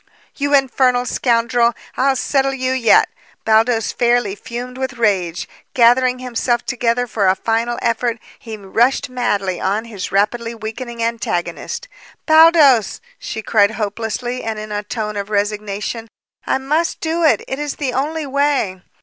"You infernal scoundrel! I'll settle you yet!" Baldos fairly fumed with rage. Gathering himself together for a final effort, he rushed madly on his rapidly weakening antagonist. "Baldos!" she cried hopelessly and in a tone of resignation. "I must do it! It is the only way!"